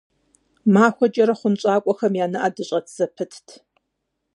МахуэкӀэрэ хъунщӀакӀуэхэм я нэӀэ дыщӀэт зэпытт.